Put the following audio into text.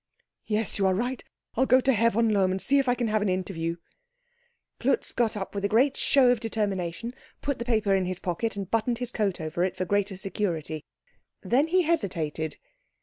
"Yes, you are right. I'll go to Herr von Lohm and see if I can have an interview." Klutz got up with a great show of determination, put the paper in his pocket, and buttoned his coat over it for greater security. Then he hesitated.